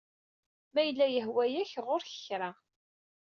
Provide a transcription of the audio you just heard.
Ma yella yehwa-yak, Ɣuṛ-k kra.